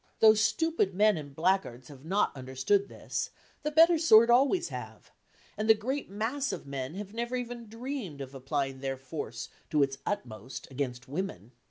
Though stupid men and blackguards have not understood this, the better sort always have, and the great mass of men have never even dreamed of applying their force to its utmost against women.